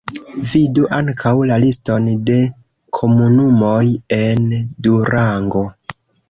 Vidu ankaŭ la liston de komunumoj en Durango.